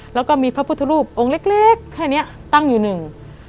แล้วก็มีพระพุทธรูปองค์เล็กเล็กแค่เนี้ยตั้งอยู่หนึ่ง